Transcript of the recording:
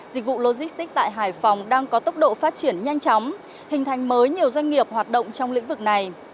dịch vụ logistics tại hải phòng đang có tốc độ phát triển nhanh chóng hình thành mới nhiều doanh nghiệp hoạt động trong lĩnh vực này